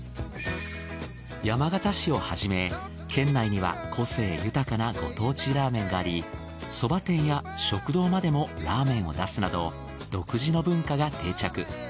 山形市をはじめ県内には個性豊かなご当地ラーメンがありそば店や食堂までもラーメンを出すなど独自の文化が定着。